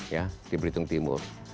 ya di belitung timur